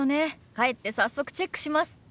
帰って早速チェックします。